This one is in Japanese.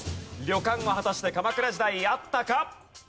旅館は果たして鎌倉時代あったか？